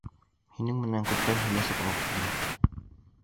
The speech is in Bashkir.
Һинең менән күптән һөйләшеп алғы килә.